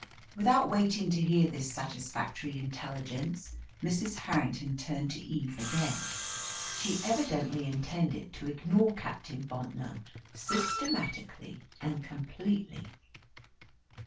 Without waiting to hear this satisfactory intelligence, Mrs. Harrington turned to Eve again. She evidently intended to ignore Captain Bontnor systematically and completely.